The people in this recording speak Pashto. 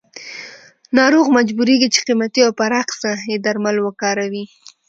ناروغ مجبوریږي چې قیمتي او پراخ ساحې درمل وکاروي.